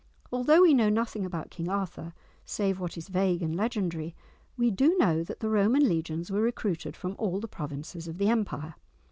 Although we know nothing about King Arthur save what is vague and legendary, we do know that the Roman legions were recruited from all the provinces of the empire.